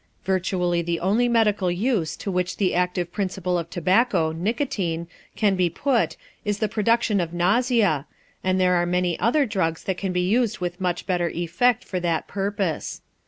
Virtually the only medical use to which the active principle of tobacco (nicotine) can be put is the production of nausea, and there are many other drugs that can be used with much better effect for that purpose.